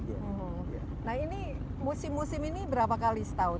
nah ini musim musim ini berapa kali setahun